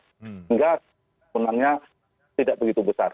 sehingga menangnya tidak begitu besar